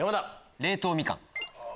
冷凍みかん。